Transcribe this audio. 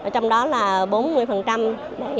trong đó là bốn mươi xét điểm học bạ sáu mươi xét điểm thi